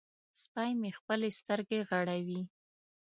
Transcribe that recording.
سپی مې خپلې سترګې غړوي.